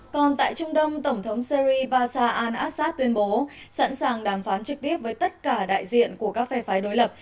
còn tại trung đông tổng thống syri basa al assad tuyên bố sẵn sàng đàm phán trực tiếp với tất cả đại diện của các phe phái đối lập